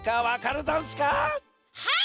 はい！